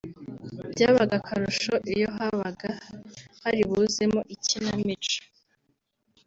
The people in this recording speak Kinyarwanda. Byabaga akarusho iyo habaga haribuzemo ikinamico